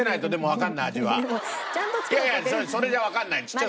いやいやそれじゃわかんないちっちゃすぎて。